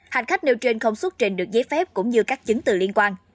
hành khách nêu trên không xuất trình được giấy phép cũng như các chứng từ liên quan